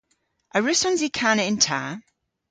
A wrussons i kana yn ta?